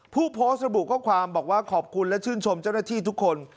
ผู้โพสต์ระบุข้อความบอกว่าขอบคุณและชื่นชมเจ้าหน้าที่ทุกคน